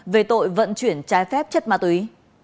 về tội vận chuyển trái phép chất ma túy